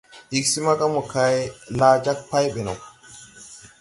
Ig smaga mokay, laa jag pay ɓɛ no.